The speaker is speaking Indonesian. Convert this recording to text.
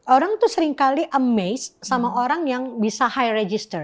orang tuh seringkali amazed sama orang yang bisa high register